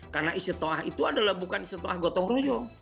karena istri to'ah itu adalah bukan istri to'ah gotong royong